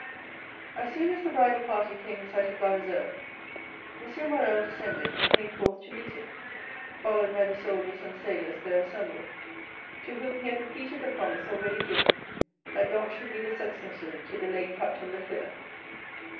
As soon as the bridal party came in sight of La Réserve, M. Morrel descended and came forth to meet it, followed by the soldiers and sailors there assembled, to whom he had repeated the promise already given, that Dantès should be the successor to the late Captain Leclere.